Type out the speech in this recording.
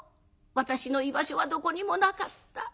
私の居場所はどこにもなかった。